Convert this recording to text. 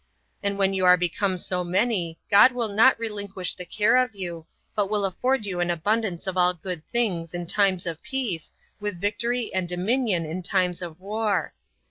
And when you are become so many, God will not relinquish the care of you, but will afford you an abundance of all good things in times of peace, with victory and dominion in times of war.